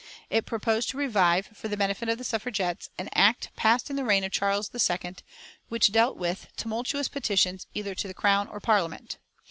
It was proposed to revive, for the benefit of the Suffragettes, an Act passed in the reign of Charles II, which dealt with "Tumultuous Petitions, either to the Crown or Parliament."